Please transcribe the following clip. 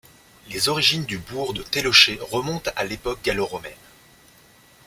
Les origines du bourg de Teloché remonte à l'époque gallo-romaine.